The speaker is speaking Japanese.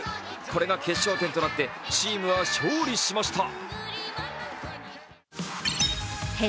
これが決勝点となってチームは勝利しました。